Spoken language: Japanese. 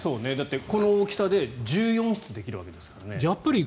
この大きさで１４室できるわけですからね。